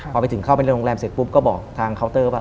พอไปถึงเข้าไปในโรงแรมเสร็จปุ๊บก็บอกทางเคาน์เตอร์ว่า